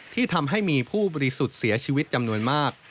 ที่ทำให้มีผู้บริสุทธิ์เสียชีวิตจำนวนมาก